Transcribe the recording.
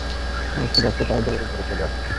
আমি ক্ষুধার্ত তাই দৌড়ে উপরে চলে আসছি।